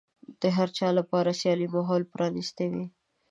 د هر چا لپاره د سيالۍ ماحول پرانيستی وي.